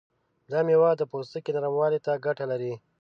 دا میوه د پوستکي نرموالي ته ګټه لري.